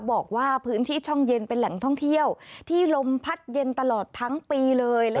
บอกว่าพื้นที่ช่องเย็นเป็นแหล่งท่องเที่ยวที่ลมพัดเย็นตลอดทั้งปีเลย